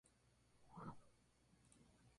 La represión fue cruel.